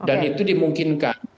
oke dan itu dimungkinkan